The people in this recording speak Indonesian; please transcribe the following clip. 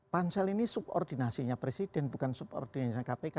pansel ini subordinasinya presiden bukan subordinasi kpk